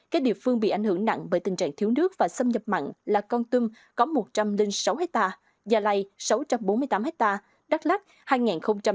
các địa phương bị ảnh hưởng nặng bởi tình trạng thiếu nước và xâm nhập mặn là con tâm có một trăm linh sáu ha gia lai sáu trăm bốn mươi tám ha đắk lách hai nghìn năm mươi sáu ha